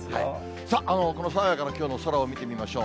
さあ、この爽やかなきょうの空を見てみましょう。